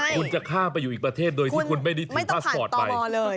คุณจะข้ามไปอยู่อีกประเทศโดยที่คุณไม่ได้ถือพาสปอร์ตไป